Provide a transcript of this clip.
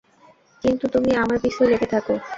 কিন্তু তুমি আমার পিছে লেগে থাকো?